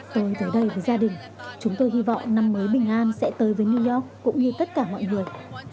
tôi tới đây với gia đình chúng tôi hy vọng năm mới bình an sẽ tới với new york cũng như tất cả mọi người